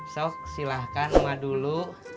sok silahkan emak dulu